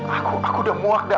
aku udah muak